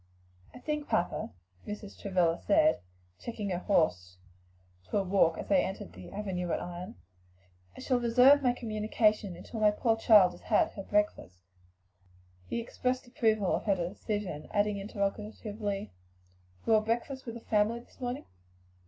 "I think, papa," Mrs. Travilla said, checking her horse to a walk as they entered the avenue at Ion, "I shall reserve my communication until my poor child has had her breakfast." He expressed approval of her decision, adding interrogatively, "You will breakfast with the family this morning?"